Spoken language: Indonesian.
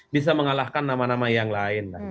bisa mengalahkan nama nama yang lain